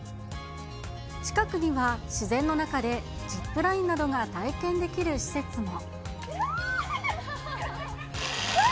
近くには、自然の中でジップラインなどが体験できる施設も。